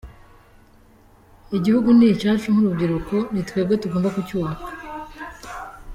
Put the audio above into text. Igihugu ni icyacu nk’urubyiruko ni twebwe tugomba kucyubaka.